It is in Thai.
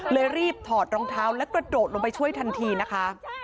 รีบถอดรองเท้าและกระโดดลงไปช่วยทันทีนะคะ